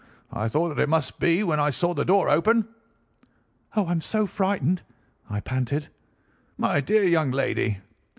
I thought that it must be when I saw the door open.' "'Oh, I am so frightened!' I panted. "'My dear young lady!